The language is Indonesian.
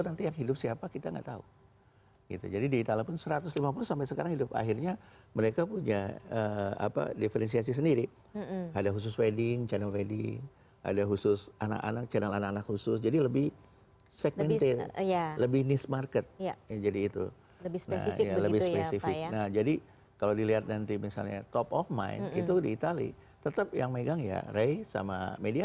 dan persiapannya dari infos jauh mana